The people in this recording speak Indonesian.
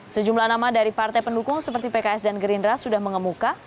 sejumlah nama dari partai pendukung seperti pks dan gerindra sudah mengemuka